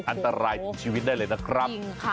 อันตรายถึงชีวิตได้เลยนะครับโอ้โฮจริงค่ะ